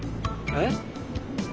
えっ？